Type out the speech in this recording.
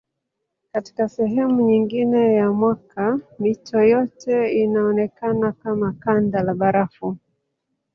Katika sehemu nyingine ya mwaka mito yote inaonekana kama kanda la barafu.